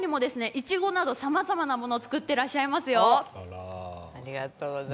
いちごなどさまざまなもの、作ってらっしゃいますよ。